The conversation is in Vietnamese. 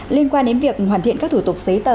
liên quan đến việc hoàn thiện các thủ tục giấy tờ